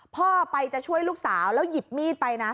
พ่อไปจะช่วยลูกสาวแล้วหยิบมีดไปนะ